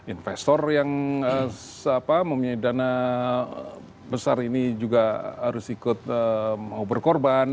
investor yang memiliki dana besar ini juga harus ikut mau berkorban